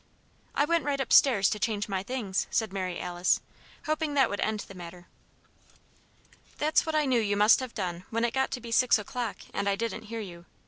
"I went right up stairs to change my things," said Mary Alice, hoping that would end the matter. "That's what I knew you must have done when it got to be six o'clock and I didn't hear you.